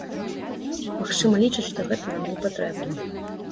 Магчыма, лічаць, што гэта нам не патрэбна.